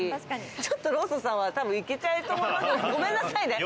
ちょっとローソンさんは行けちゃうと思います。